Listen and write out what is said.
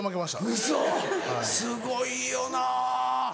すごいよな。